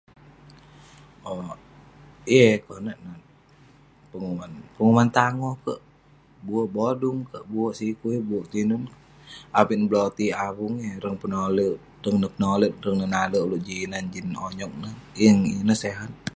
Owk, yeng eh konak nat penguman. Penguman tangoh kek, bue' bodung kek, bue' sikui, bue' ketinun, abin beloti'ik, avung yah reng penole'- tong neh penolet, tong neh nale ulouk jin inan, jin onyog neh. Yeng ineh sihat.